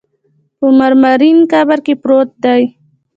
په مرمرین قبر کې پروت دی.